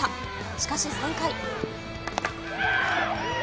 しかし、３回。